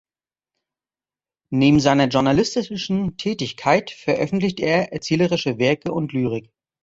Neben seiner journalistischen Tätigkeit veröffentlicht er erzählerische Werke und Lyrik.